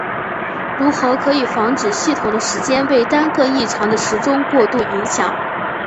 如此可以防止系统的时间被单个异常的时钟过度影响。